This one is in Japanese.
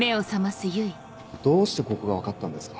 どうしてここが分かったんですか？